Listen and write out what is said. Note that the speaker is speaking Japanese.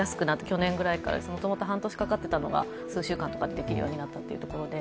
去年ぐらいから、もともと半年かかっていたのが、数週間とかでできるようになったということで。